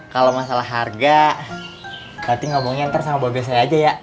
kalau masalah harga berarti ngomongnya ntar sama bapak saya aja ya